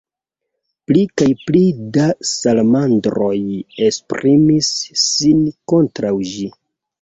Pli kaj pli da salamandroj esprimis sin kontraŭ ĝi.